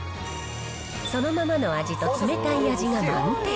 そのままの味と冷たい味が満点。